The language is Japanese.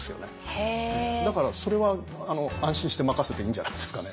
だからそれは安心して任せていいんじゃないですかね。